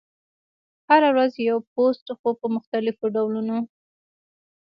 هره ورځ یو پوسټ، خو په مختلفو ډولونو: